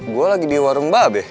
gue lagi di warung bab ya